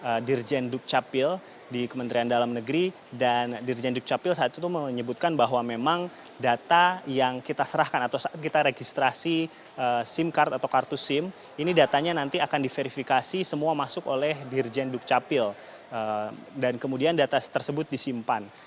kemudian dirjen dukcapil di kementerian dalam negeri dan dirjen dukcapil saat itu menyebutkan bahwa memang data yang kita serahkan atau kita registrasi sim card atau kartu sim ini datanya nanti akan diverifikasi semua masuk oleh dirjen dukcapil dan kemudian data tersebut disimpan